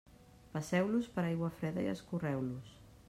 Passeu-los per aigua freda i escorreu-los.